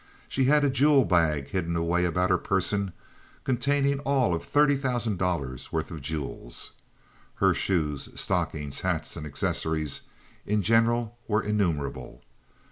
She had a jewel bag hidden away about her person containing all of thirty thousand dollars' worth of jewels. Her shoes, stockings, hats, and accessories in general were innumerable.